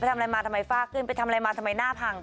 ทำอะไรมาทำไมฝ้าขึ้นไปทำอะไรมาทำไมหน้าพัง